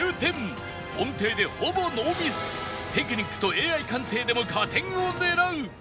音程でほぼノーミステクニックと Ａｉ 感性でも加点を狙う